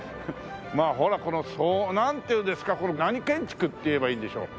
まあほらこのなんていうんですかこの何建築って言えばいいんでしょう？